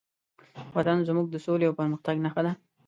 وطن زموږ د سولې او پرمختګ نښه ده.